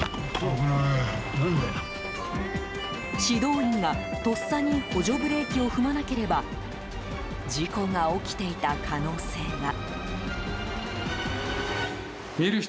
指導員がとっさに補助ブレーキを踏まなければ事故が起きていた可能性が。